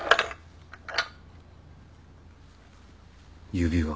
指輪。